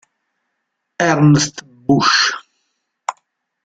Ernst Busch